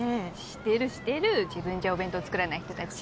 してるしてる自分じゃお弁当作らない人たち